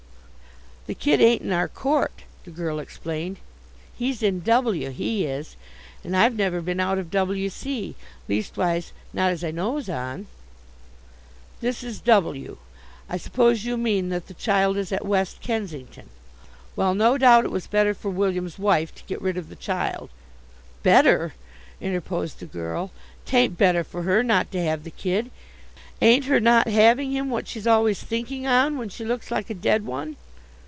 "The kid ain't in our court," the girl explained. "He's in W., he is, and I've never been out of W.C., leastwise, not as I knows on." "This is W. I suppose you mean that the child is at West Kensington? Well, no doubt it was better for William's wife to get rid of the child " "Better!" interposed the girl. "'Tain't better for her not to have the kid. Ain't her not having him what she's always thinking on when she looks like a dead one."